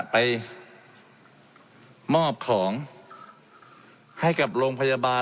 ไปมอบของให้กับโรงพยาบาล